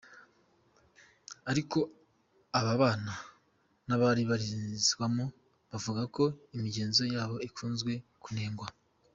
Ariko ababana n’abaribarizwamo bavuga ko imigenzo yabo ikunzwe kunengwa.